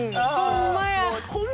「ホンマや！」。